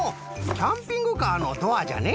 キャンピングカーのドアじゃね。